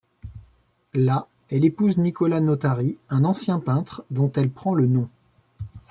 Là, elle épouse Nicola Notari un ancien peintre dont elle prend le nom.